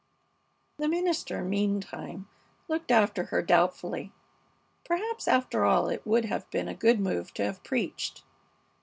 The minister, meantime, looked after her doubtfully. Perhaps, after all, it would have been a good move to have preached.